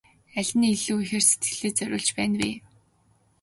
Аль нь илүү ихээр сэтгэлээ зориулж байна вэ?